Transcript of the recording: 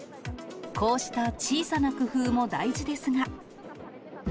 こうした小さな工夫も大事ですが。